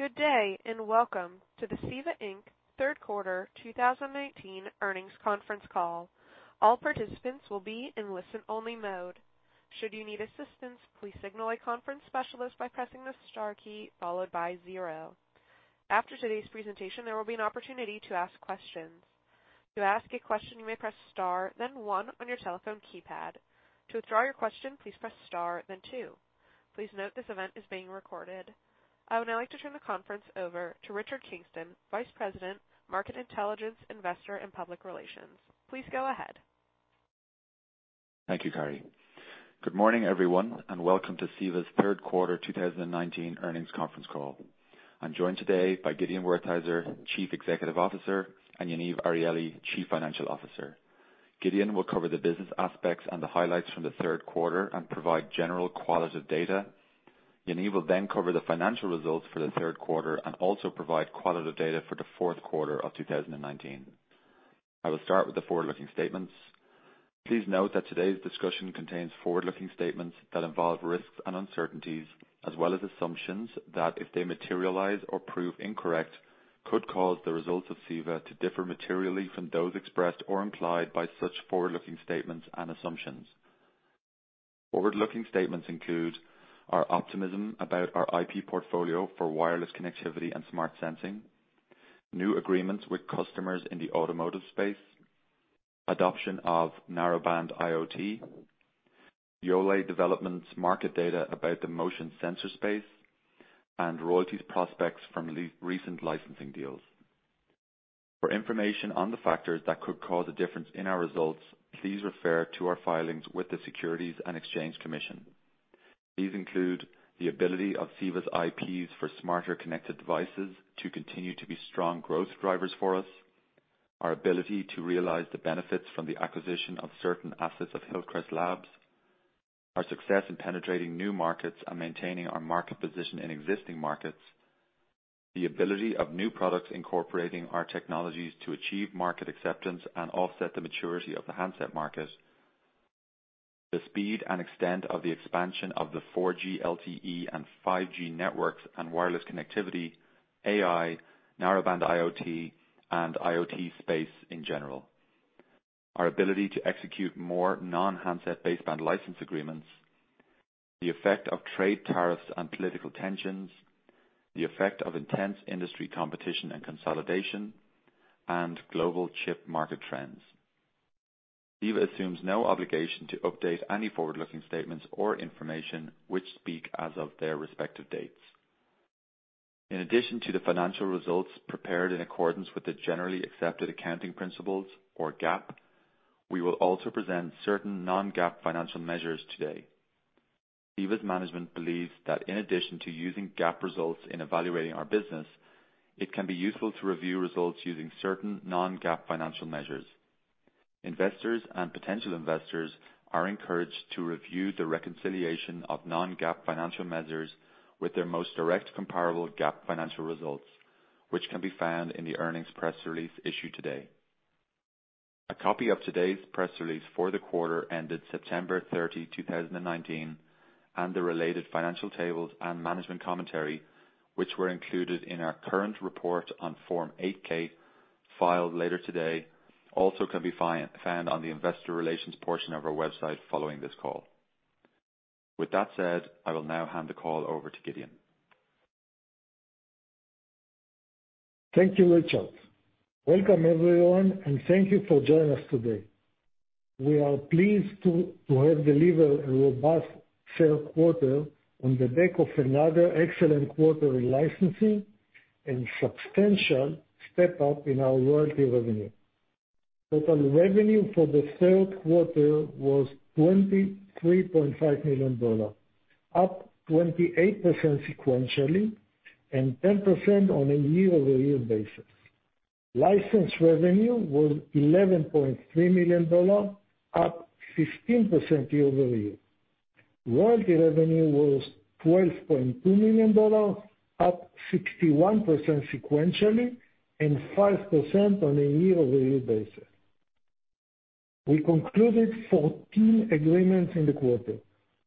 Good day, and welcome to the CEVA, Inc. third quarter 2019 earnings conference call. All participants will be in listen-only mode. Should you need assistance, please signal a conference specialist by pressing the star key followed by zero. After today's presentation, there will be an opportunity to ask questions. To ask a question, you may press star, then one on your telephone keypad. To withdraw your question, please press star then two. Please note this event is being recorded. I would now like to turn the conference over to Richard Kingston, Vice President, Market Intelligence, Investor, and Public Relations. Please go ahead. Thank you, Carrie. Good morning, everyone, and welcome to CEVA's third quarter 2019 earnings conference call. I'm joined today by Gideon Wertheizer, Chief Executive Officer, and Yaniv Arieli, Chief Financial Officer. Gideon will cover the business aspects and the highlights from the third quarter and provide general qualitative data. Yaniv will then cover the financial results for the third quarter and also provide qualitative data for the fourth quarter of 2019. I will start with the forward-looking statements. Please note that today's discussion contains forward-looking statements that involve risks and uncertainties, as well as assumptions that, if they materialize or prove incorrect, could cause the results of CEVA to differ materially from those expressed or implied by such forward-looking statements and assumptions. Forward-looking statements include our optimism about our IP portfolio for wireless connectivity and smart sensing, new agreements with customers in the automotive space, adoption of Narrowband IoT, Yole Développement's market data about the motion sensor space, and royalties prospects from recent licensing deals. For information on the factors that could cause a difference in our results, please refer to our filings with the Securities and Exchange Commission. These include the ability of CEVA's IPs for smarter connected devices to continue to be strong growth drivers for us, our ability to realize the benefits from the acquisition of certain assets of Hillcrest Labs, our success in penetrating new markets and maintaining our market position in existing markets, the ability of new products incorporating our technologies to achieve market acceptance and offset the maturity of the handset market, the speed and extent of the expansion of the 4G LTE and 5G networks and wireless connectivity, AI, Narrowband IoT, and IoT space in general. Our ability to execute more non-handset baseband license agreements, the effect of trade tariffs and political tensions, the effect of intense industry competition and consolidation, and global chip market trends. CEVA assumes no obligation to update any forward-looking statements or information, which speak as of their respective dates. In addition to the financial results prepared in accordance with the generally accepted accounting principles or GAAP, we will also present certain non-GAAP financial measures today. CEVA's management believes that in addition to using GAAP results in evaluating our business, it can be useful to review results using certain non-GAAP financial measures. Investors and potential investors are encouraged to review the reconciliation of non-GAAP financial measures with their most direct comparable GAAP financial results, which can be found in the earnings press release issued today. A copy of today's press release for the quarter ended September 30, 2019, and the related financial tables and management commentary, which were included in our current report on Form 8-K filed later today, also can be found on the investor relations portion of our website following this call. With that said, I will now hand the call over to Gideon. Thank you, Richard. Welcome, everyone, and thank you for joining us today. We are pleased to have delivered a robust third quarter on the back of another excellent quarter in licensing and substantial step-up in our royalty revenue. Total revenue for the third quarter was $23.5 million, up 28% sequentially and 10% on a year-over-year basis. License revenue was $11.3 million, up 15% year-over-year. Royalty revenue was $12.2 million, up 61% sequentially and 5% on a year-over-year basis. We concluded 14 agreements in the quarter,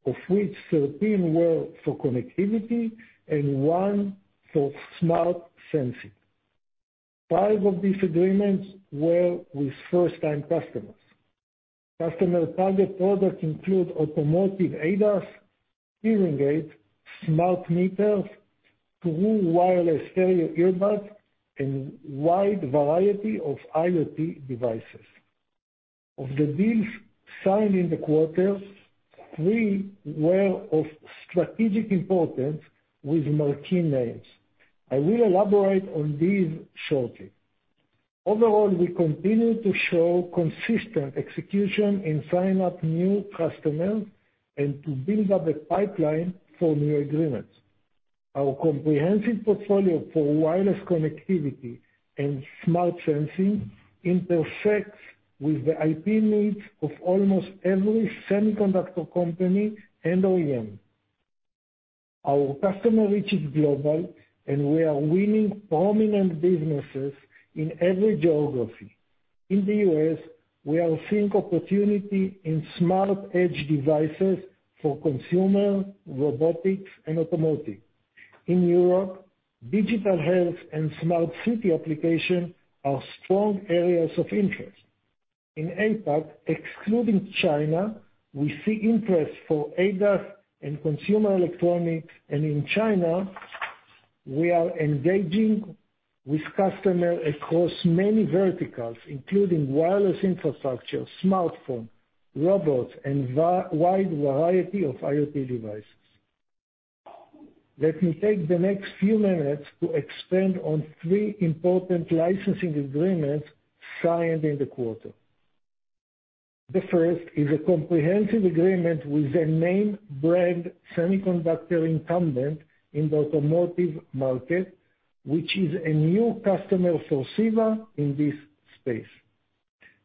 of which 13 were for connectivity and one for smart sensing. Five of these agreements were with first-time customers. Customer target products include automotive ADAS, hearing aids, smart meters, true wireless stereo earbuds, and a wide variety of IoT devices. Of the deals signed in the quarter, three were of strategic importance with marquee names. I will elaborate on these shortly. Overall, we continue to show consistent execution in sign up new customers and to build up a pipeline for new agreements. Our comprehensive portfolio for wireless connectivity and smart sensing intersects with the IP needs of almost every semiconductor company and OEM. We are winning prominent businesses in every geography. In the U.S., we are seeing opportunity in smart edge devices for consumer, robotics, and automotive. In Europe, digital health and smart city application are strong areas of interest. In APAC, excluding China, we see interest for ADAS and consumer electronics. In China, we are engaging with customers across many verticals, including wireless infrastructure, smartphone, robots, and wide variety of IoT devices. Let me take the next few minutes to expand on three important licensing agreements signed in the quarter. The first is a comprehensive agreement with a name brand semiconductor incumbent in the automotive market, which is a new customer for CEVA in this space.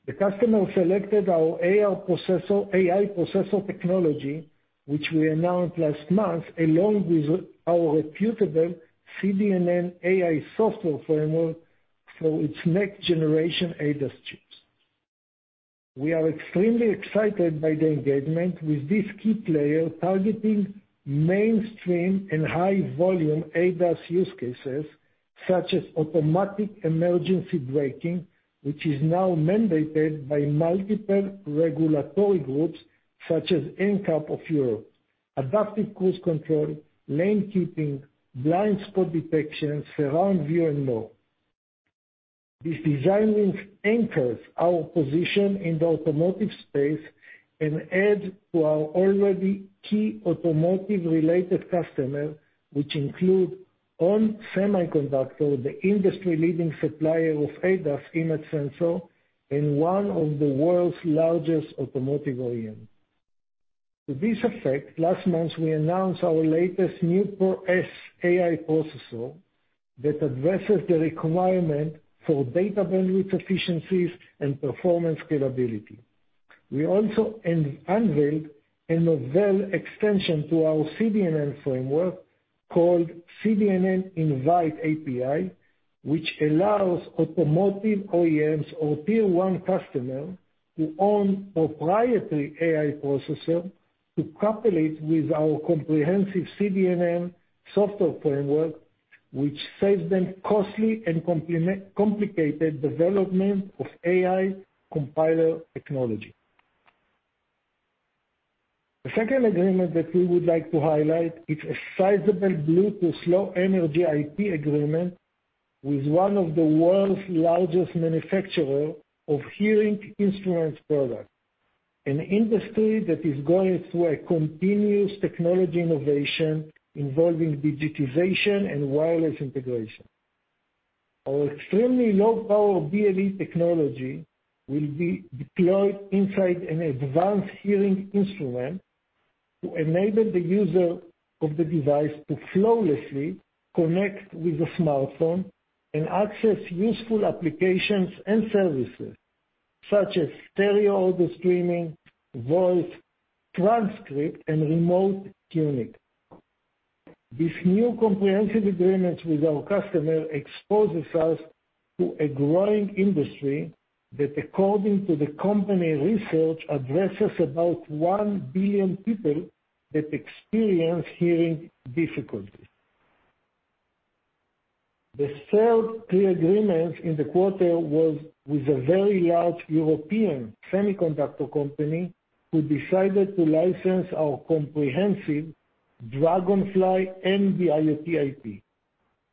The customer selected our AI processor technology, which we announced last month, along with our reputable CDNN AI software framework for its next generation ADAS chips. We are extremely excited by the engagement with this key player targeting mainstream and high volume ADAS use cases such as automatic emergency braking, which is now mandated by multiple regulatory groups such as NCAP of Europe, adaptive cruise control, lane keeping, blind spot detection, surround view, and more. This design win anchors our position in the automotive space and adds to our already key automotive related customer, which include ON Semiconductor, the industry leading supplier of ADAS image sensor in one of the world's largest automotive OEM. To this effect, last month, we announced our latest NeuPro-S AI processor that addresses the requirement for data bandwidth efficiencies and performance scalability. We also unveiled a novel extension to our CDNN framework called CDNN-Invite API, which allows automotive OEMs or tier one customer who own proprietary AI processor to couple it with our comprehensive CDNN software framework, which saves them costly and complicated development of AI compiler technology. The second agreement that we would like to highlight is a sizable Bluetooth Low Energy IP agreement with one of the world's largest manufacturer of hearing instruments product, an industry that is going through a continuous technology innovation involving digitization and wireless integration. Our extremely low power BLE technology will be deployed inside an advanced hearing instrument to enable the user of the device to flawlessly connect with a smartphone and access useful applications and services such as stereo audio streaming, voice transcript, and remote tuning. This new comprehensive agreement with our customer exposes us to a growing industry that, according to the company research, addresses about 1 billion people that experience hearing difficulties. The third key agreement in the quarter was with a very large European semiconductor company who decided to license our comprehensive Dragonfly NB-IoT IP,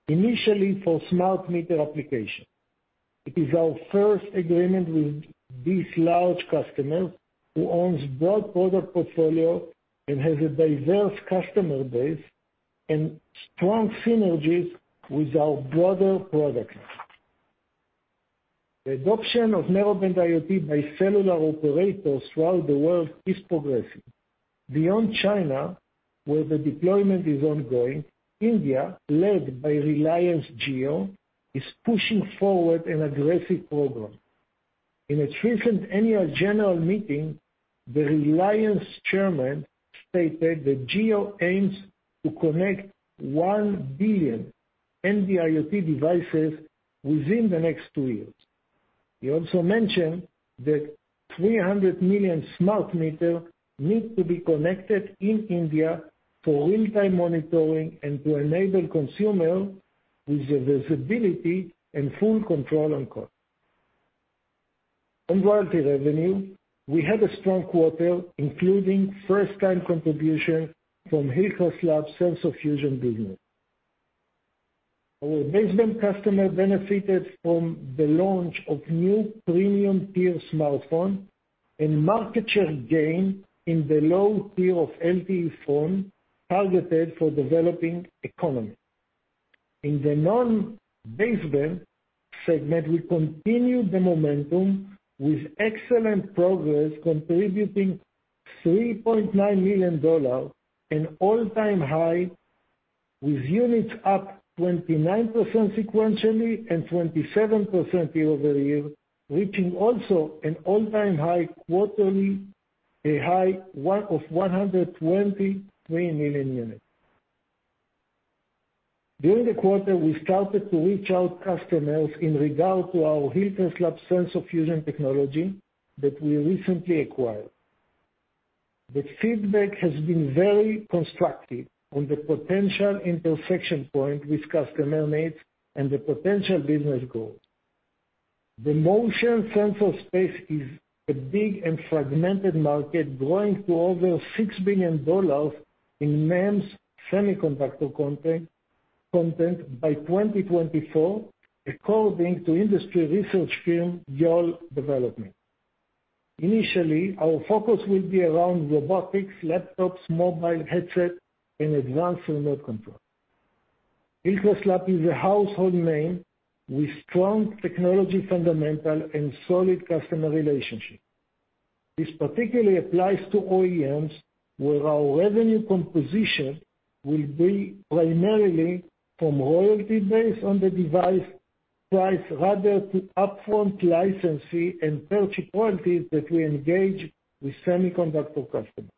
initially for smart meter application. It is our first agreement with this large customer who owns broad product portfolio and has a diverse customer base and strong synergies with our broader product line. The adoption of Narrowband IoT by cellular operators throughout the world is progressing. Beyond China, where the deployment is ongoing, India, led by Reliance Jio, is pushing forward an aggressive program. In its recent annual general meeting, the Reliance chairman stated that Jio aims to connect 1 billion NB-IoT devices within the next two years. He also mentioned that 300 million smart meter need to be connected in India for real-time monitoring and to enable consumer with the visibility and full control on cost. On royalty revenue, we had a strong quarter, including first time contribution from Hillcrest Labs' Sensor Fusion business. Our baseband customer benefited from the launch of new premium tier smartphone and market share gain in the low tier of LTE phone targeted for developing economy. In the non-baseband segment, we continued the momentum with excellent progress, contributing $3.9 million, an all-time high, with units up 29% sequentially and 27% year-over-year, reaching also an all-time high quarterly, a high of 123 million units. During the quarter, we started to reach out customers in regard to our Hillcrest Labs sensor fusion technology that we recently acquired. The feedback has been very constructive on the potential intersection point with customer needs and the potential business growth. The motion sensor space is a big and fragmented market, growing to over $6 billion in MEMS semiconductor content by 2024, according to industry research firm, Yole Développement. Initially, our focus will be around robotics, laptops, mobile headset, and advanced remote control. Hillcrest Labs is a household name with strong technology fundamental and solid customer relationships. This particularly applies to OEMs, where our revenue composition will be primarily from royalty based on the device price, rather to upfront licensing and purchase warranties that we engage with semiconductor customers.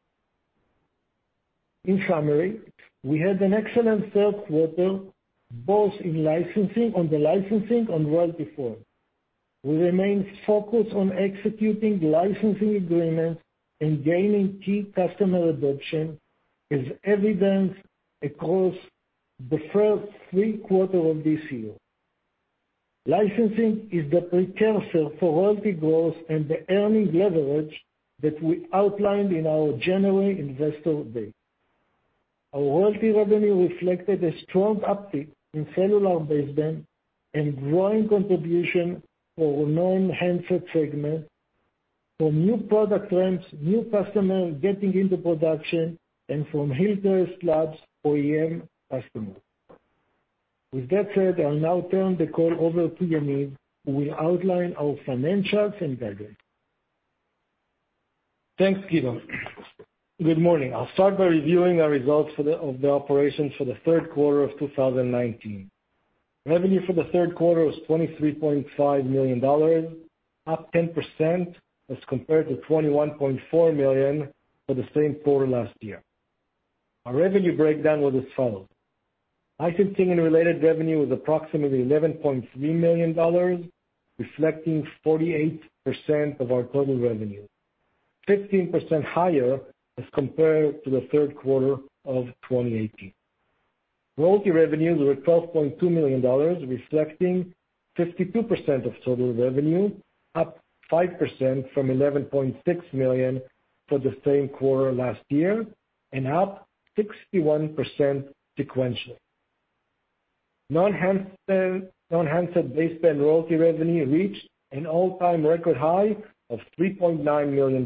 In summary, we had an excellent third quarter, both on the licensing and royalty front. We remain focused on executing licensing agreements and gaining key customer adoption, as evidenced across the first three quarters of this year. Licensing is the precursor for royalty growth and the earnings leverage that we outlined in our January investor day. Our royalty revenue reflected a strong uptick in cellular baseband and growing contribution for non-handset segment, from new product ramps, new customers getting into production, and from Hillcrest Labs OEM customers. With that said, I'll now turn the call over to Yaniv, who will outline our financials in guidance. Thanks, Gideon. Good morning. I'll start by reviewing our results of the operations for the third quarter of 2019. Revenue for the third quarter was $23.5 million, up 10% as compared to $21.4 million for the same quarter last year. Our revenue breakdown was as follows: licensing and related revenue was approximately $11.3 million, reflecting 48% of our total revenue, 15% higher as compared to the third quarter of 2018. Royalty revenues were $12.2 million, reflecting 52% of total revenue, up 5% from $11.6 million for the same quarter last year, and up 61% sequentially. Non-handset baseband royalty revenue reached an all-time record high of $3.9 million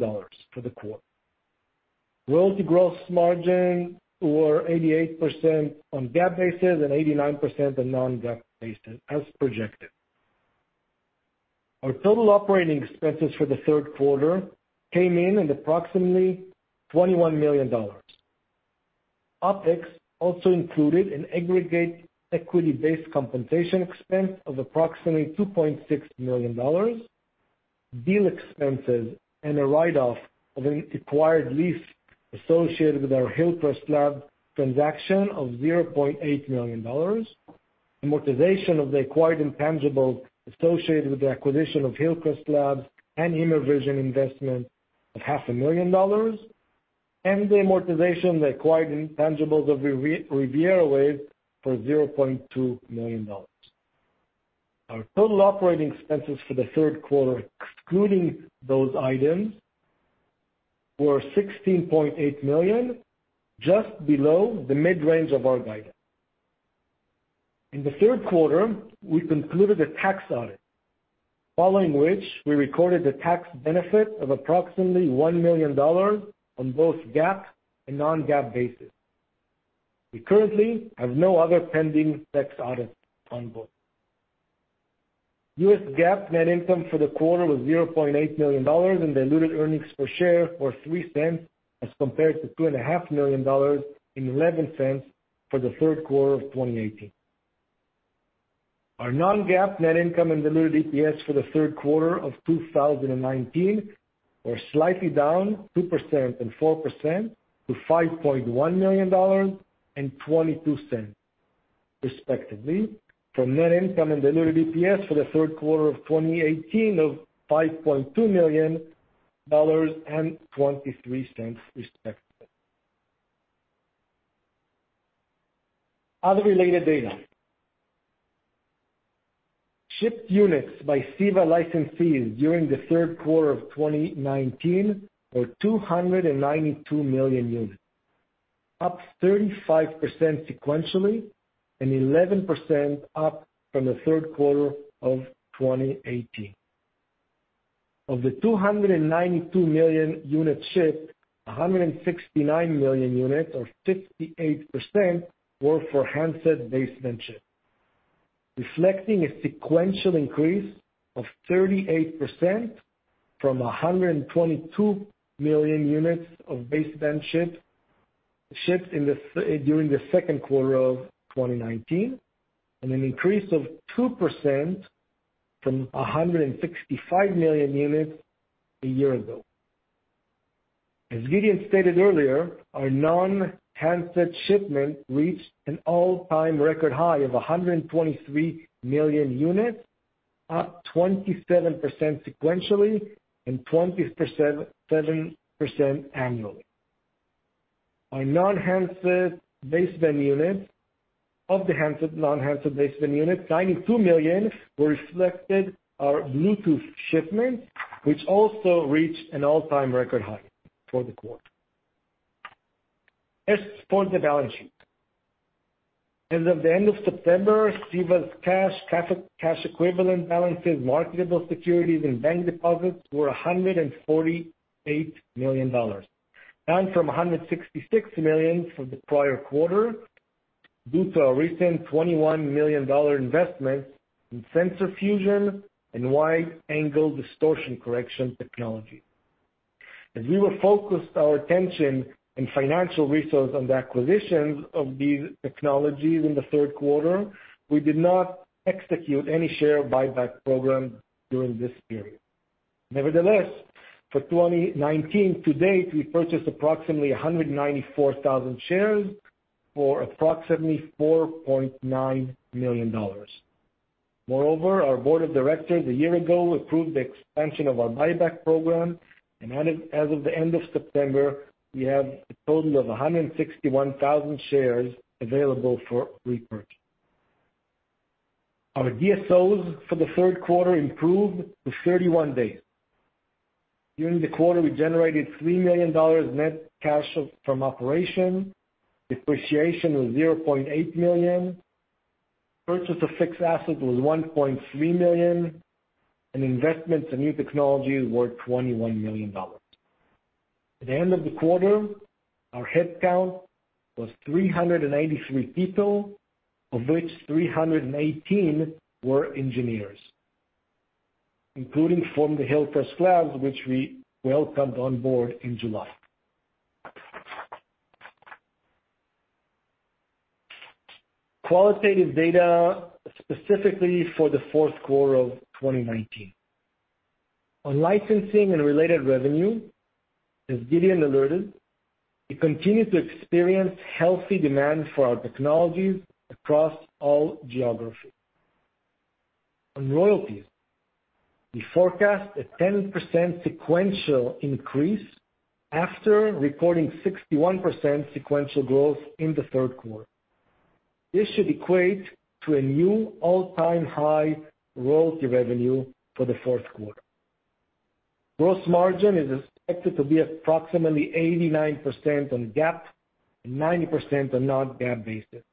for the quarter. Royalty gross margins were 88% on GAAP basis and 89% on non-GAAP basis, as projected. Our total operating expenses for the third quarter came in at approximately $21 million. OpEx also included an aggregate equity-based compensation expense of $2.6 million, deal expenses, a write-off of an acquired lease associated with our Hillcrest Labs transaction of $0.8 million, amortization of the acquired intangibles associated with the acquisition of Hillcrest Labs and Immervision investment of half a million dollars, and the amortization of the acquired intangibles of RivieraWaves for $0.2 million. Our total operating expenses for the third quarter, excluding those items, were $16.8 million, just below the mid-range of our guidance. In the third quarter, we concluded a tax audit, following which we recorded a tax benefit of $1 million on both GAAP and non-GAAP basis. We currently have no other pending tax audits on board. U.S. GAAP net income for the quarter was $0.8 million, and diluted earnings per share were $0.03, as compared to $2.5 million and $0.11 for the third quarter of 2018. Our non-GAAP net income and diluted EPS for the third quarter of 2019 were slightly down 2% and 4% to $5.1 million and $0.22 respectively, from net income and diluted EPS for the third quarter of 2018 of $5.2 million and $0.23 respectively. Other related data. Shipped units by CEVA licensees during the third quarter of 2019 were 292 million units, up 35% sequentially and 11% up from the third quarter of 2018. Of the 292 million units shipped, 169 million units or 58% were for handset baseband chip, reflecting a sequential increase of 38% from 122 million units of baseband shipped during the second quarter of 2019, and an increase of 2% from 165 million units a year ago. As Gideon stated earlier, our non-handset shipment reached an all-time record high of 123 million units, up 27% sequentially and 27% annually. Of the non-handset base unit, 92 million reflected our Bluetooth shipment, which also reached an all-time record high for the quarter. As for the balance sheet. As of the end of September, CEVA's cash equivalent balances, marketable securities, and bank deposits were $148 million, down from $166 million from the prior quarter due to our recent $21 million investment in sensor fusion and wide-angle distortion correction technology. As we were focused our attention and financial resource on the acquisitions of these technologies in the third quarter, we did not execute any share buyback program during this period. Nevertheless, for 2019 to date, we purchased approximately 194,000 shares for approximately $4.9 million. Moreover, our board of directors a year ago approved the expansion of our buyback program, and as of the end of September, we have a total of 161,000 shares available for repurchase. Our DSOs for the third quarter improved to 31 days. During the quarter, we generated $3 million net cash from operation. Depreciation was $0.8 million. Purchase of fixed assets was $1.3 million, and investments in new technologies were $21 million. At the end of the quarter, our headcount was 383 people, of which 318 were engineers, including from the Hillcrest Labs, which we welcomed on board in July. Qualitative data specifically for the fourth quarter of 2019. On licensing and related revenue, as Gideon alerted, we continue to experience healthy demand for our technologies across all geographies. On royalties, we forecast a 10% sequential increase after recording 61% sequential growth in the third quarter. This should equate to a new all-time high royalty revenue for the fourth quarter. Gross margin is expected to be approximately 89% on GAAP and 90% on non-GAAP basis,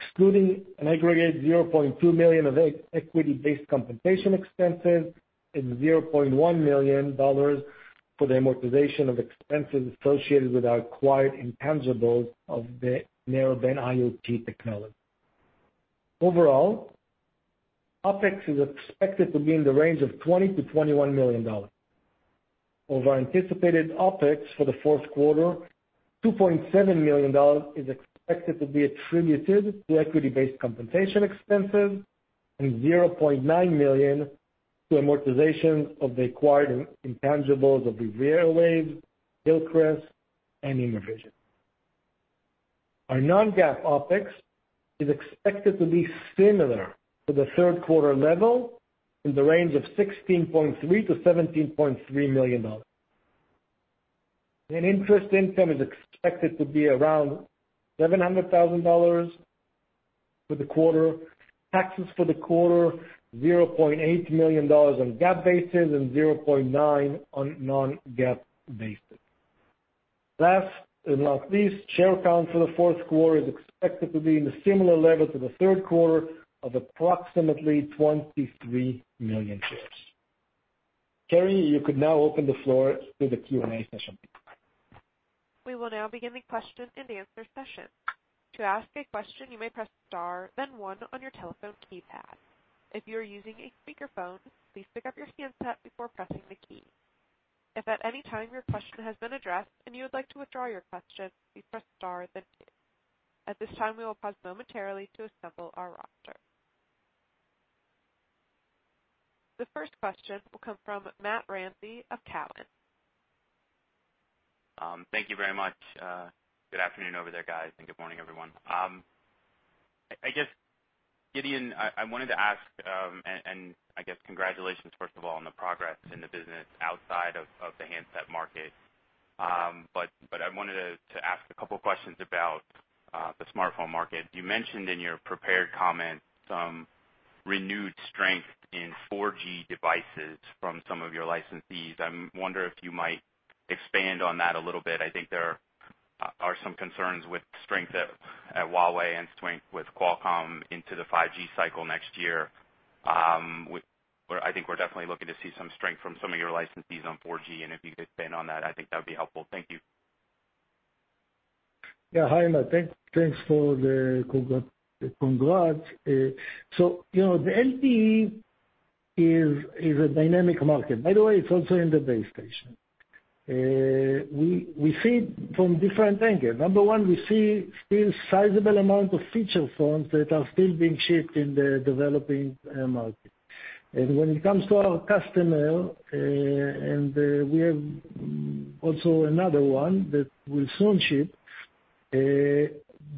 excluding an aggregate $0.2 million of equity-based compensation expenses and $0.1 million for the amortization of expenses associated with our acquired intangibles of the Narrowband IoT technology. Overall, OpEx is expected to be in the range of $20 million-$21 million. Of our anticipated OpEx for the fourth quarter, $2.7 million is expected to be attributed to equity-based compensation expenses and $0.9 million to amortization of the acquired intangibles of RivieraWaves, Hillcrest, and Immervision. Our non-GAAP OpEx is expected to be similar to the third quarter level in the range of $16.3 million-$17.3 million. Interest income is expected to be around $700,000 for the quarter. Taxes for the quarter, $0.8 million on GAAP basis and $0.9 on non-GAAP basis. Last but not least, share count for the fourth quarter is expected to be in a similar level to the third quarter of approximately 23 million shares. Carrie, you could now open the floor to the Q&A session. We will now begin the question and answer session. To ask a question, you may press star, then one on your telephone keypad. If you are using a speakerphone, please pick up your handset before pressing the key. If at any time your question has been addressed and you would like to withdraw your question, please press star, then two. At this time, we will pause momentarily to assemble our roster. The first question will come from Matt Ramsay of Cowen. Thank you very much. Good afternoon over there, guys, and good morning, everyone. I guess, Gideon, I wanted to ask, and I guess congratulations first of all on the progress in the business outside of the handset market. I wanted to ask a couple questions about the smartphone market. You mentioned in your prepared comments some renewed strength in 4G devices from some of your licensees. I wonder if you might expand on that a little bit. I think there are some concerns with strength at Huawei and strength with Qualcomm into the 5G cycle next year. I think we're definitely looking to see some strength from some of your licensees on 4G, and if you could expand on that, I think that would be helpful. Thank you. Yeah. Hi, Matt. Thanks for the congrats. The LTE is a dynamic market. By the way, it's also in the base station. We see from different angles. Number one, we see still sizable amount of feature phones that are still being shipped in the developing markets. When it comes to our customer, and we have also another one that will soon ship.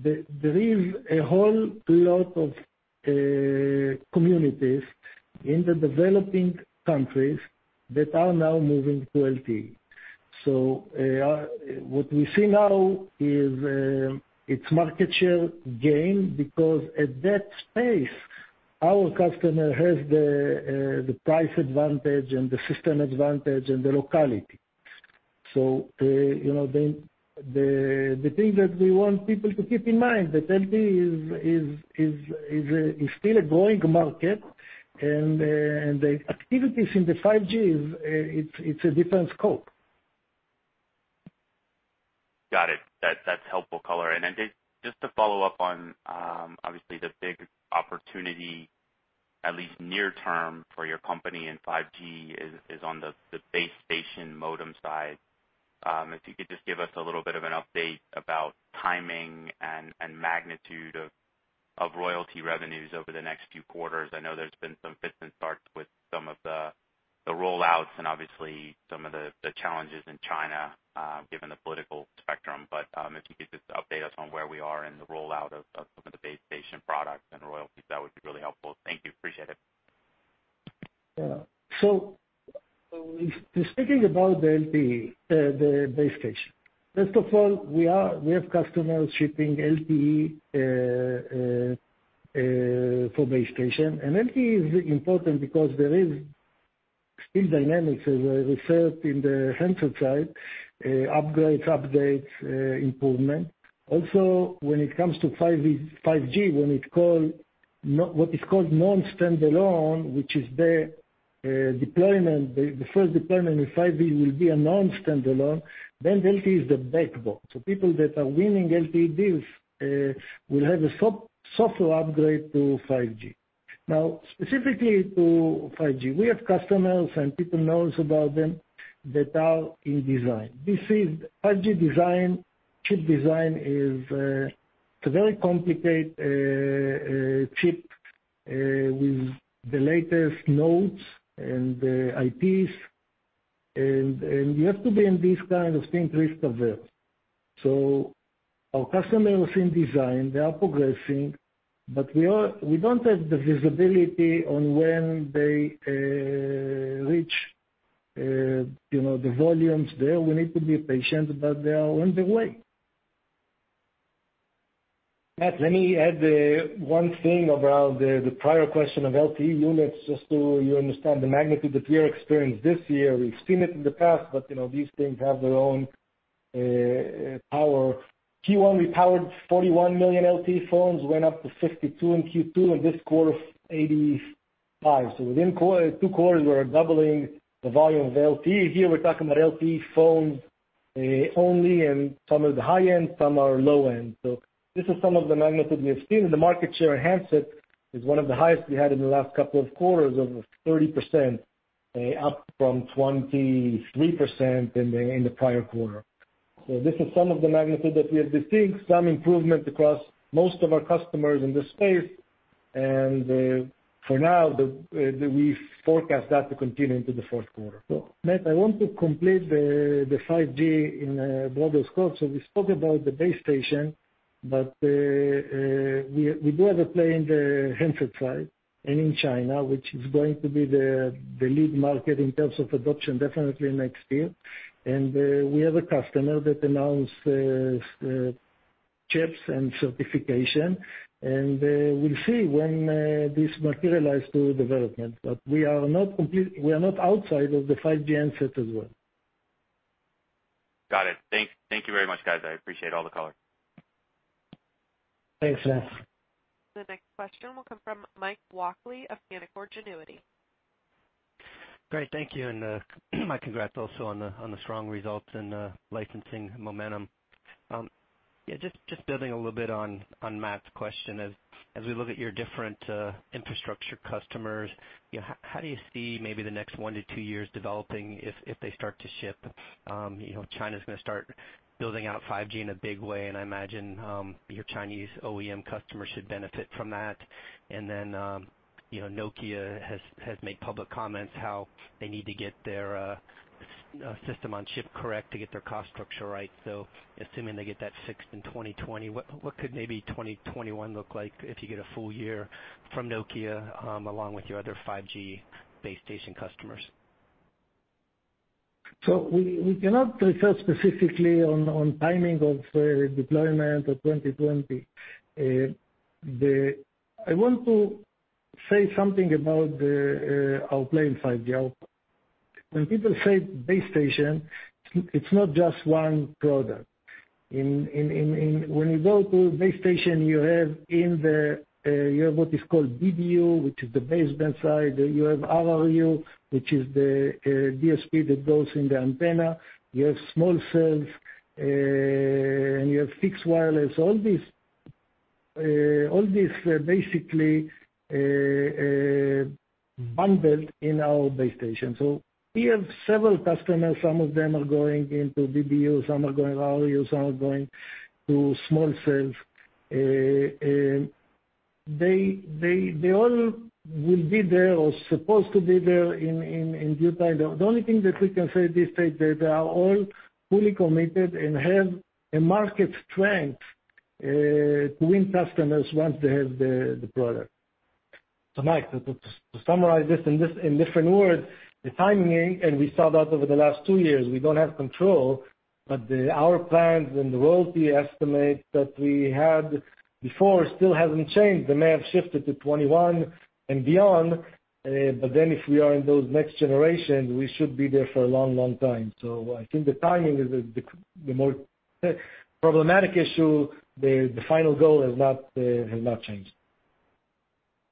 There is a whole lot of communities in the developing countries that are now moving to LTE. What we see now is it's market share gain, because at that space, our customer has the price advantage and the system advantage and the locality. The thing that we want people to keep in mind, that LTE is still a growing market, and the activities in the 5G, it's a different scope. Got it. That's helpful color. Just to follow up on, obviously, the big opportunity, at least near term for your company in 5G is on the base station modem side. If you could just give us a little bit of an update about timing and magnitude of royalty revenues over the next few quarters. I know there's been some fits and starts with some of the roll-outs and obviously some of the challenges in China, given the political spectrum, but, if you could just update us on where we are in the roll-out of some of the base station products and royalties, that would be really helpful. Thank you. Appreciate it. Yeah. Speaking about the base station. First of all, we have customers shipping LTE for base station. LTE is important because there is still dynamics as a result in the handset side, upgrades, updates, improvement. Also, when it comes to 5G, what is called non-standalone, which is the first deployment of 5G will be a non-standalone, then LTE is the backbone. People that are winning LTE deals will have a software upgrade to 5G. Now, specifically to 5G, we have customers, and people know this about them, that are in design. 5G design, chip design is a very complicated chip, with the latest nodes and IPs. You have to be in this kind of think list of it. Our customers in design, they are progressing, but we don't have the visibility on when they reach the volumes there. We need to be patient, but they are on the way. Matt, let me add one thing around the prior question of LTE units, just so you understand the magnitude that we are experiencing this year. We've seen it in the past, but these things have their own power. Q1, we powered 41 million LTE phones, went up to 52 in Q2, and this quarter, 85. Within two quarters, we are doubling the volume of LTE. Here we're talking about LTE phones only, and some are the high-end, some are low-end. This is some of the magnitude we have seen, and the market share in handsets is one of the highest we had in the last couple of quarters, almost 30%, up from 23% in the prior quarter. This is some of the magnitude that we have been seeing, some improvement across most of our customers in this space. For now, we forecast that to continue into the fourth quarter. Matt, I want to complete the 5G in a broader scope. We spoke about the base station, but we do have a play in the handset side and in China, which is going to be the lead market in terms of adoption, definitely next year. We have a customer that announced chips and certification, and we will see when this materialize to development. We are not outside of the 5G handset as well. Got it. Thank you very much, guys. I appreciate all the color. Thanks, Matt. The next question will come from Mike Walkley of Canaccord Genuity. Great, thank you. My congrats also on the strong results and licensing momentum. Just building a little bit on Matt's question. As we look at your different infrastructure customers, how do you see maybe the next one to two years developing if they start to ship? China's going to start building out 5G in a big way, and I imagine your Chinese OEM customers should benefit from that. Nokia has made public comments how they need to get their system on chip correct to get their cost structure right. Assuming they get that fixed in 2020, what could maybe 2021 look like if you get a full year from Nokia, along with your other 5G base station customers? We cannot refer specifically on timing of deployment of 2020. I want to say something about our play in 5G. When people say base station, it's not just one product. When you go to base station, you have what is called BBU, which is the baseband side. You have RRU, which is the DSP that goes in the antenna. You have small cells, and you have fixed wireless. All these basically, bundled in our base station. We have several customers. Some of them are going into BBU, some are going RRU, some are going to small cells. They all will be there or supposed to be there in due time. The only thing that we can say at this stage, they are all fully committed and have a market strength to win customers once they have the product. Mike, to summarize this in different words, the timing, and we saw that over the last two years, we don't have control. Our plans and the royalty estimates that we had before still haven't changed. They may have shifted to 2021 and beyond, if we are in those next generations, we should be there for a long time. I think the timing is the more problematic issue. The final goal has not changed.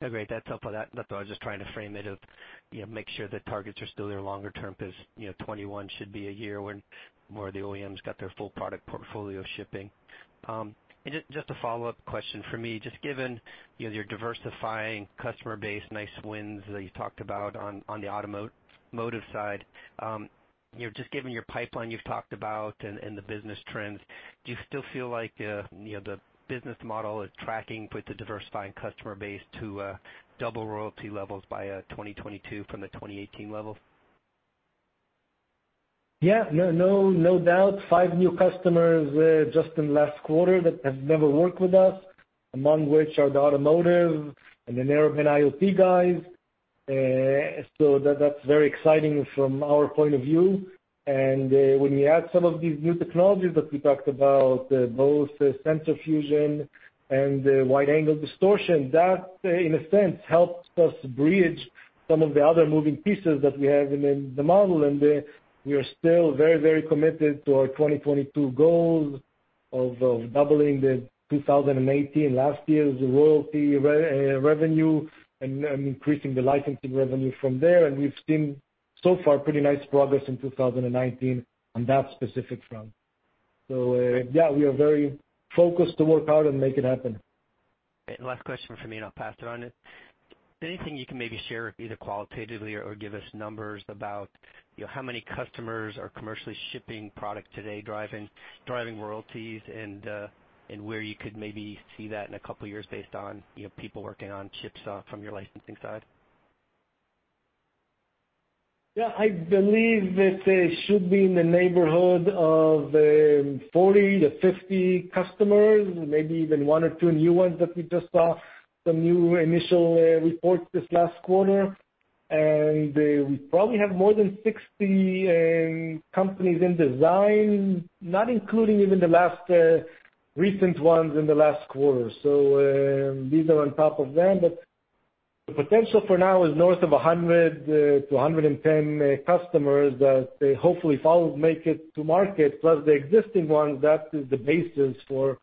Great. That's all. I was just trying to frame it to make sure the targets are still there longer term because 2021 should be a year when more of the OEMs got their full product portfolio shipping. Just a follow-up question from me, just given your diversifying customer base, nice wins that you talked about on the automotive side. Just given your pipeline you've talked about and the business trends, do you still feel like the business model is tracking with the diversifying customer base to double royalty levels by 2022 from the 2018 levels? Yeah. No doubt. Five new customers just in the last quarter that have never worked with us, among which are the automotive and the Narrowband IoT guys. That's very exciting from our point of view. When we add some of these new technologies that we talked about, both sensor fusion and wide-angle distortion, that, in a sense, helps us bridge some of the other moving pieces that we have in the model. We are still very committed to our 2022 goals of doubling the 2018, last year's royalty revenue, and increasing the licensing revenue from there. We've seen so far pretty nice progress in 2019 on that specific front. Yeah, we are very focused to work hard and make it happen. Last question from me, and I'll pass it on. Anything you can maybe share either qualitatively or give us numbers about how many customers are commercially shipping product today, driving royalties and where you could maybe see that in a couple of years based on people working on chips from your licensing side? Yeah, I believe that they should be in the neighborhood of 40 to 50 customers, maybe even one or two new ones that we just saw some new initial reports this last quarter. We probably have more than 60 companies in design, not including even the last recent ones in the last quarter. These are on top of them, but the potential for now is north of 100 to 110 customers that they hopefully follow make it to market, plus the existing ones. That is the basis for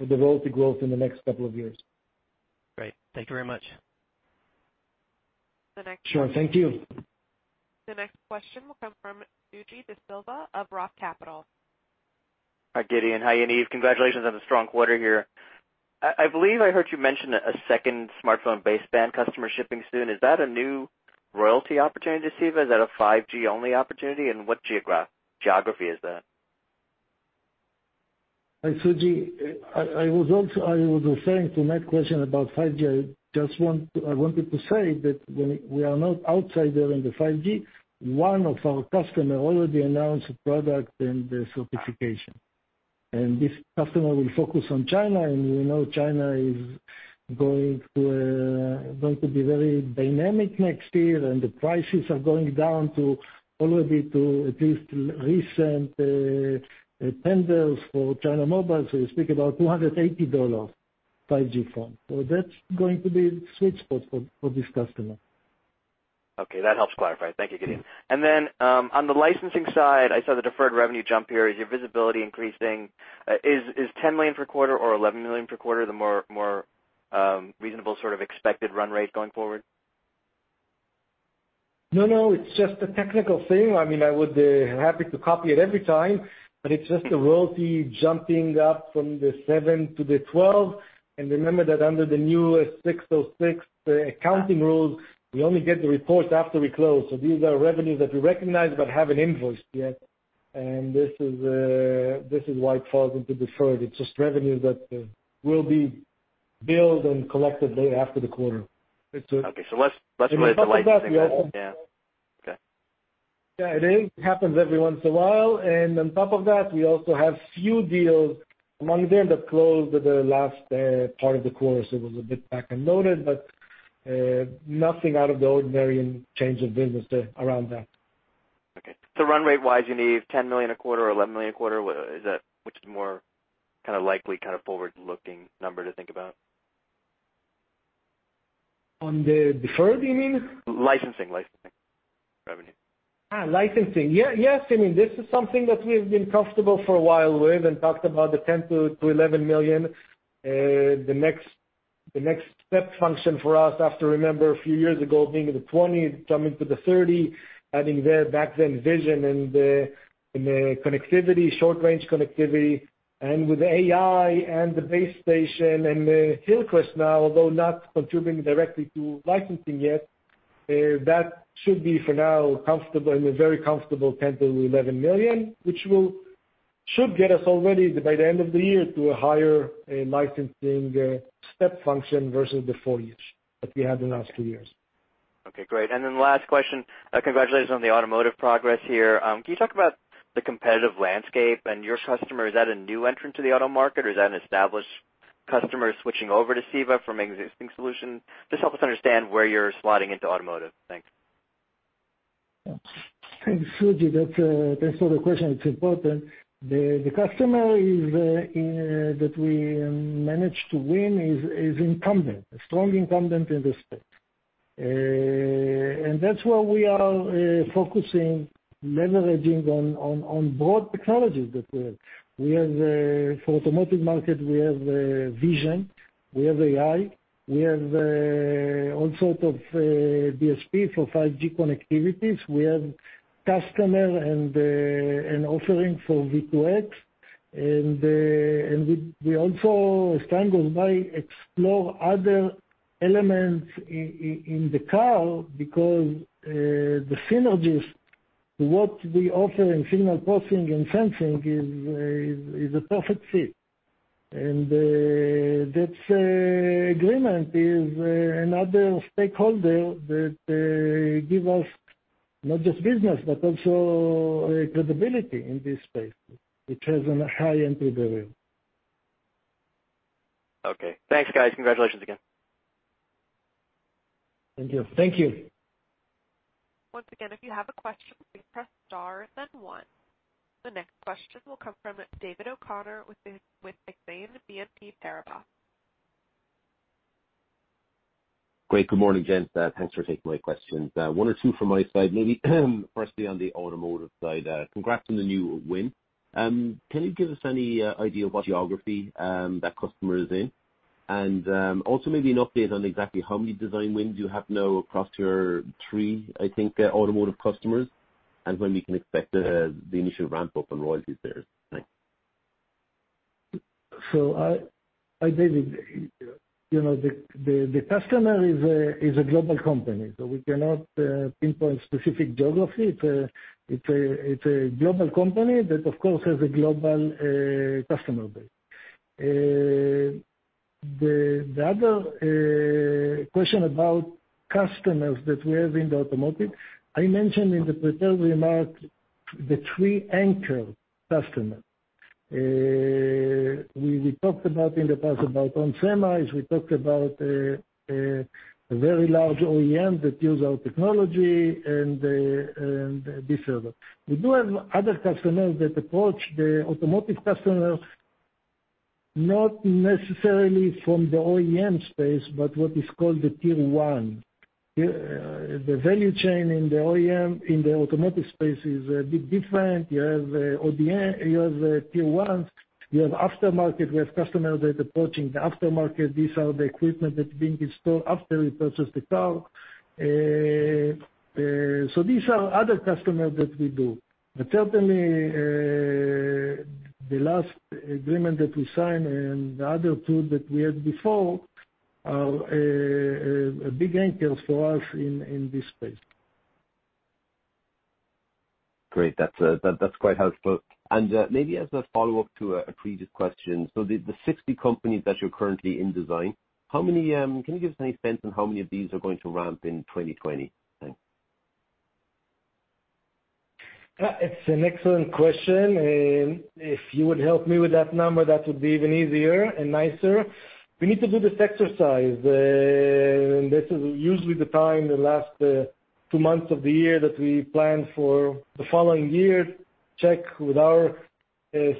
the royalty growth in the next couple of years. Great. Thank you very much. Sure. Thank you. The next question will come from Suji Desilva of ROTH Capital. Hi, Gideon. Hi, Yaniv. Congratulations on the strong quarter here. I believe I heard you mention a second smartphone baseband customer shipping soon. Is that a new royalty opportunity, Suji? Is that a 5G only opportunity? What geography is that? Hi, Suji. I was referring to Matt's question about 5G. I wanted to say that we are not outsiders in the 5G. One of our customers already announced a product and the sophistication. This customer will focus on China, and we know China is going to be very dynamic next year, and the prices are going down to already at least recent tenders for China Mobile. You speak about $280 5G phone. That's going to be sweet spot for this customer. Okay, that helps clarify. Thank you, Gideon. On the licensing side, I saw the deferred revenue jump here. Is your visibility increasing? Is $10 million per quarter or $11 million per quarter the more reasonable sort of expected run rate going forward? No, it's just a technical thing. I would be happy to copy it every time, but it's just the royalty jumping up from the seven to the 12. Remember that under the new 606 accounting rules, we only get the report after we close. These are revenues that we recognize but haven't invoiced yet. This is why it falls into deferred. It's just revenue that will be billed and collected after the quarter. Okay. Less related to licensing then. Yeah. Okay. Yeah, it is. It happens every once in a while. On top of that, we also have few deals among them that closed the last part of the quarter. It was a bit back and loaded. Nothing out of the ordinary in change of business around that. Okay. Run rate-wise, Yaniv, $10 million a quarter or $11 million a quarter, which is more likely forward-looking number to think about? On the deferred, you mean? Licensing revenue. Licensing. Yes, this is something that we've been comfortable for a while with and talked about the $10 million-$11 million. The next step function for us after, remember, a few years ago, being in the $20 million, coming to the $30 million, having their back then vision and the connectivity, short range connectivity. With AI and the base station and Hillcrest now, although not contributing directly to licensing yet. That should be for now comfortable, in a very comfortable $10 million-$11 million, which should get us already by the end of the year to a higher licensing step function versus the four years that we had in the last two years. Okay, great. Last question. Congratulations on the automotive progress here. Can you talk about the competitive landscape and your customer? Is that a new entrant to the auto market or is that an established customer switching over to CEVA from an existing solution? Just help us understand where you're slotting into automotive. Thanks. Thanks, Suji. Thanks for the question. It's important. The customer that we managed to win is incumbent, a strong incumbent in this space. That's why we are focusing, leveraging on broad technologies that we have. For automotive market, we have vision, we have AI, we have all sort of DSP for 5G connectivities. We have customer and offering for V2X. We also, as time goes by, explore other elements in the car because the synergies, what we offer in signal processing and sensing is a perfect fit. That agreement is another stakeholder that give us not just business but also credibility in this space, which has a high entry barrier. Okay. Thanks, guys. Congratulations again. Thank you. Once again, if you have a question, please press star then one. The next question will come from David O'Connor with Exane BNP Paribas. Great. Good morning, gents. Thanks for taking my questions. One or two from my side, maybe firstly on the automotive side. Congrats on the new win. Can you give us any idea what geography that customer is in? Also maybe an update on exactly how many design wins you have now across your three, I think automotive customers, and when we can expect the initial ramp-up and royalties there? Thanks. David, the customer is a global company, so we cannot pinpoint specific geography. It's a global company that of course has a global customer base. The other question about customers that we have in the automotive, I mentioned in the prepared remarks the three anchor customers. We talked about in the past about OnSemi, we talked about a very large OEM that use our technology, and Becear. We do have other customers that approach the automotive customers, not necessarily from the OEM space, but what is called the tier 1. The value chain in the OEM, in the automotive space is a bit different. You have tier 1s, you have aftermarket. We have customers that approaching the aftermarket. These are the equipment that's being installed after you purchase the car. These are other customers that we do. Certainly, the last agreement that we signed and the other two that we had before are big anchors for us in this space. Great. That's quite helpful. Maybe as a follow-up to a previous question, the 60 companies that you're currently in design, can you give us any sense on how many of these are going to ramp in 2020? Thanks. It's an excellent question, and if you would help me with that number, that would be even easier and nicer. We need to do this exercise. This is usually the time, the last two months of the year that we plan for the following year, check with our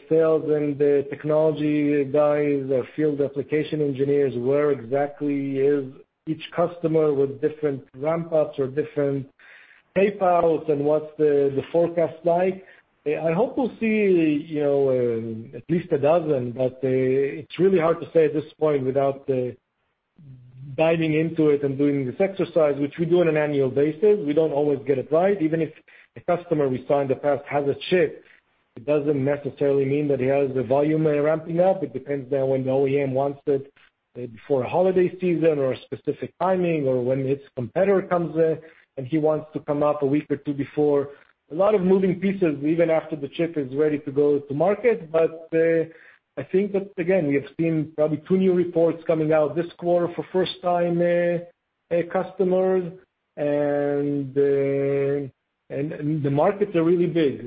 sales and the technology guys, our field application engineers, where exactly is each customer with different ramp-ups or different payouts and what's the forecast like. I hope we'll see at least a dozen, but it's really hard to say at this point without diving into it and doing this exercise, which we do on an annual basis. We don't always get it right. Even if a customer we signed in the past has a chip, it doesn't necessarily mean that he has the volume ramping up. It depends on when the OEM wants it, before a holiday season or a specific timing, or when its competitor comes in, and he wants to come up a week or two before. A lot of moving pieces, even after the chip is ready to go to market. I think that, again, we have seen probably two new reports coming out this quarter for first-time customers, and the markets are really big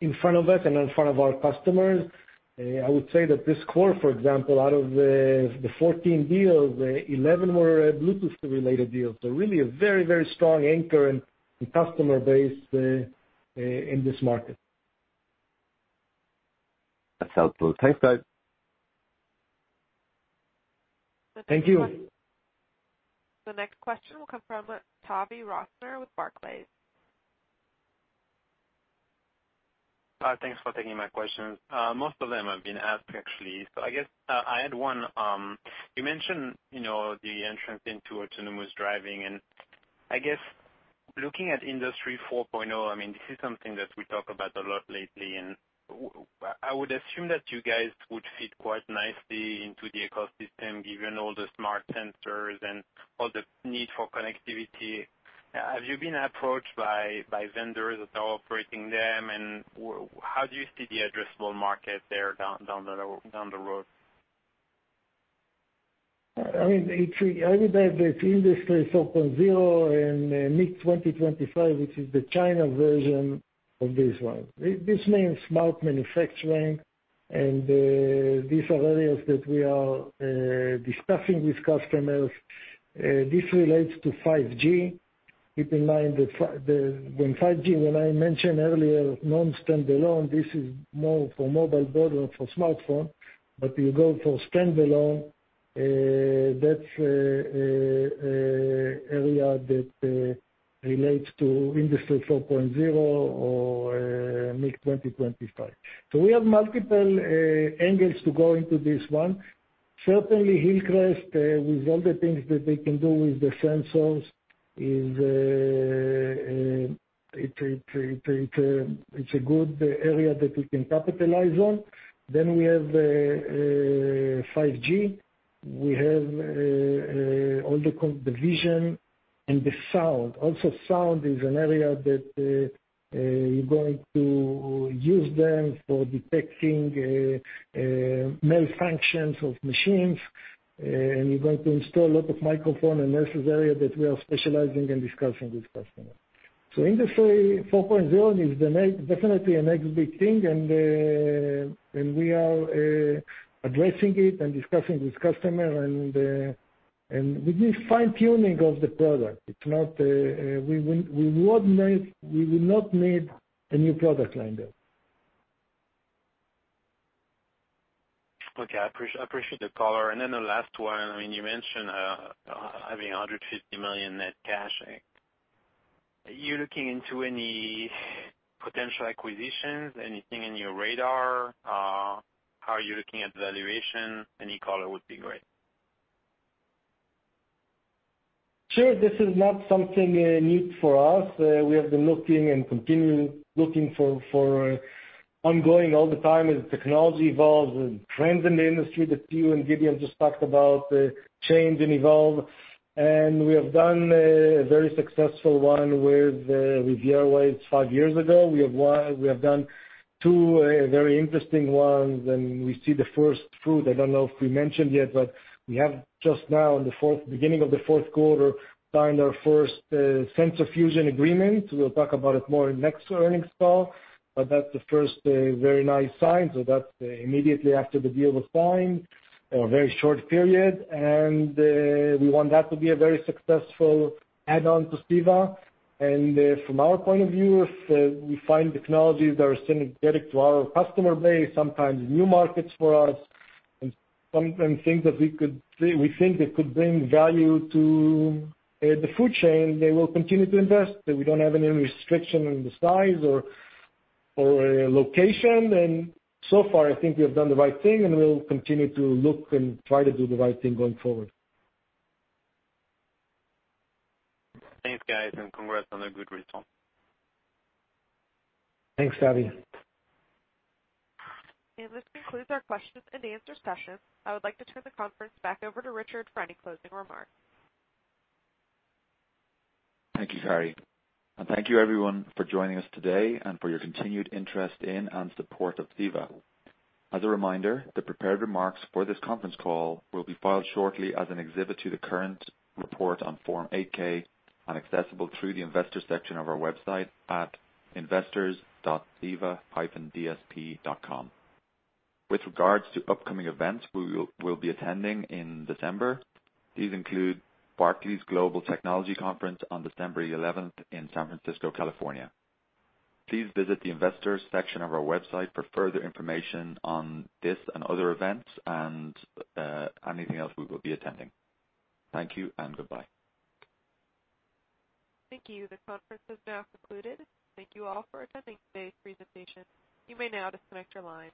in front of us and in front of our customers. I would say that this quarter, for example, out of the 14 deals, 11 were Bluetooth related deals. Really a very strong anchor and customer base in this market. That's helpful. Thanks, guys. Thank you. The next question will come from Tavy Rosner with Barclays. Hi, thanks for taking my questions. Most of them have been asked, actually. I guess, I had one. You mentioned the entrance into autonomous driving, and I guessLooking at Industry 4.0, this is something that we talk about a lot lately, and I would assume that you guys would fit quite nicely into the ecosystem given all the smart sensors and all the need for connectivity. Have you been approached by vendors that are operating them, and how do you see the addressable market there down the road? The Industry 4.0 and MIC 2025, which is the China version of this one. This means smart manufacturing, and these are areas that we are discussing with customers. This relates to 5G. Keep in mind that when 5G, I mentioned earlier, non-standalone, this is more for mobile broadband, for smartphone, but you go for standalone, that's area that relates to Industry 4.0 or MIC 2025. We have multiple angles to go into this one. Certainly Hillcrest, with all the things that they can do with the sensors, it's a good area that we can capitalize on. We have 5G. We have all the vision and the sound. Sound is an area that you're going to use them for detecting malfunctions of machines, and you're going to install a lot of microphone, and this is area that we are specializing and discussing with customers. Industry 4.0 is definitely a next big thing, and we are addressing it and discussing with customer, and with this fine-tuning of the product. We would not need a new product line, though. Okay. I appreciate the color. The last one, you mentioned having $150 million net cash. Are you looking into any potential acquisitions? Anything in your radar? How are you looking at valuation? Any color would be great. Sure. This is not something new for us. We have been looking and continue looking for ongoing all the time as technology evolves and trends in the industry that you and Gideon just talked about, change and evolve. We have done a very successful one with RivieraWaves five years ago. We have done two very interesting ones, and we see the first fruit. I don't know if we mentioned yet, but we have just now, in the beginning of the fourth quarter, signed our first sensor fusion agreement. We'll talk about it more in next earnings call, but that's the first very nice sign. That's immediately after the deal was signed, a very short period. We want that to be a very successful add-on to CEVA. From our point of view, if we find technologies that are synergetic to our customer base, sometimes new markets for us, and things that we think that could bring value to the food chain, they will continue to invest. We don't have any restriction on the size or location. So far, I think we have done the right thing, and we'll continue to look and try to do the right thing going forward. Thanks, guys, and congrats on a good result. Thanks, Tavy. This concludes our question and answer session. I would like to turn the conference back over to Richard for any closing remarks. Thank you, Carrie. Thank you everyone for joining us today and for your continued interest in and support of CEVA. As a reminder, the prepared remarks for this conference call will be filed shortly as an exhibit to the current report on Form 8-K and accessible through the investor section of our website at investors.ceva-dsp.com. With regards to upcoming events we will be attending in December, these include Barclays Global Technology Conference on December 11th in San Francisco, California. Please visit the investors section of our website for further information on this and other events and anything else we will be attending. Thank you and goodbye. Thank you. The conference is now concluded. Thank you all for attending today's presentation. You may now disconnect your line.